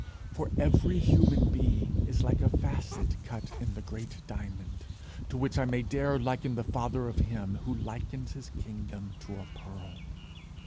For every human being is like a facet cut in the great diamond to which I may dare liken the father of him who likens his kingdom to a pearl.